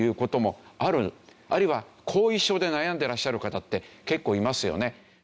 あるいは後遺症で悩んでらっしゃる方って結構いますよね。